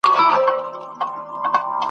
نه په میو کي مزه سته نه ساقي نه هغه جام دی !.